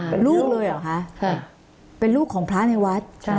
เป็นลูกเลยเหรอคะเป็นลูกของพระในวัด